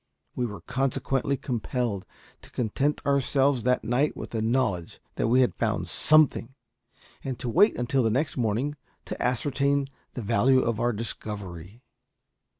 We were consequently compelled to content ourselves that night with the knowledge that we had found something, and to wait until the next morning to ascertain the value of our discovery.